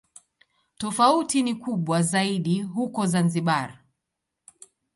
Tofauti ni kubwa zaidi huko Zanzibar.